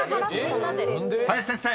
［林先生